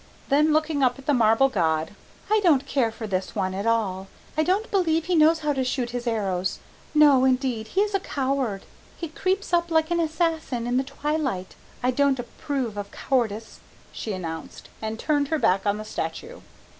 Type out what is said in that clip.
Then looking up at the marble god, "I don't care for this one at all. I don't believe he knows how to shoot his arrows no, indeed, he is a coward; he creeps up like an assassin in the twilight. I don't approve of cowardice," she announced, and turned her back on the statue.